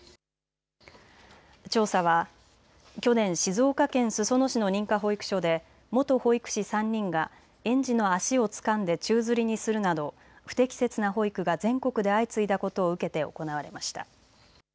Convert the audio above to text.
調査は去年、静岡県裾野市の認可保育所で元保育士３人が園児の足をつかんで宙づりにするなど不適切な保育が全国で相次いだことを受けて行われました。